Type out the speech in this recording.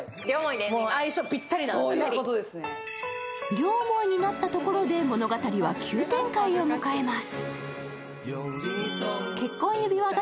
両思いになったところで物語は急展開を迎えます。